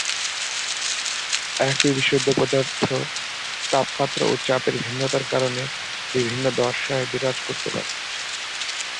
একই বিশুদ্ধ পদার্থ তাপমাত্রা ও চাপের ভিন্নতার কারণে বিভিন্ন দশায় বিরাজ করতে পারে।